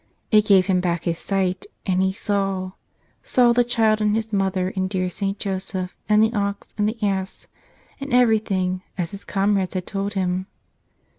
It gave him back his sight and he saw — saw the Child and His Mother and dear St. Joseph, and the ox and the ass, and everything, as his comrades had told him.